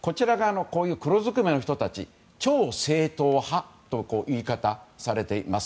黒ずくめの人たちは超正統派という言い方をされています。